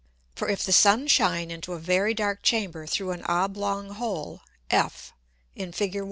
For if the Sun shine into a very dark Chamber through an oblong hole F, [in _Fig.